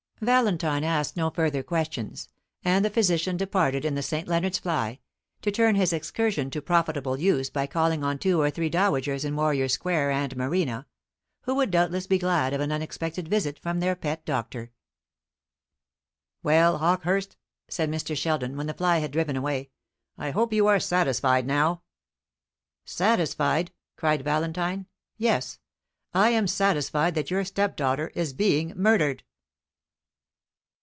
Valentine asked no further questions; and the physician departed in the St. Leonards fly, to turn his excursion to profitable use by calling on two or three dowagers in Warrior Square and Marina, who would doubtless be glad of an unexpected visit from their pet doctor. "Well, Hawkehurst," said Mr. Sheldon, when the fly had driven away, "I hope you are satisfied now?" "Satisfied!" cried Valentine; "yes, I am satisfied that your stepdaughter is being murdered!"